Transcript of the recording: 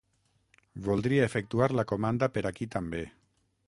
Voldria efectuar la comanda per aquí també.